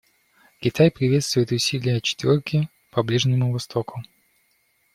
Китай приветствует усилия «четверки» по Ближнему Востоку.